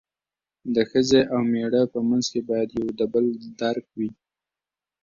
د ښځې او مېړه په منځ کې باید یو د بل درک وي.